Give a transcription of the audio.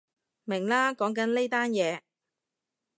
明喇，講緊呢單嘢